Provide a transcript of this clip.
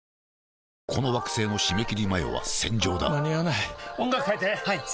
この惑星の締め切り前は戦場だ間に合わない音楽変えて！はいっ！